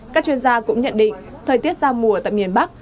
các chuyên gia cũng nhận định thời tiết giao mùa tại miền bắc